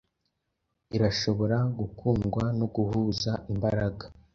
Irashobora gukundwa no guhuza imbaraga.